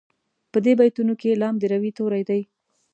په دې بیتونو کې لام د روي توری دی.